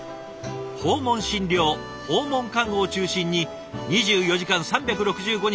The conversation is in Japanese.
訪問診療・訪問看護を中心に２４時間３６５日